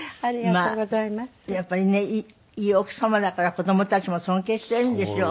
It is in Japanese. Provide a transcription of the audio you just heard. やっぱりねいい奥様だから子供たちも尊敬しているんでしょ？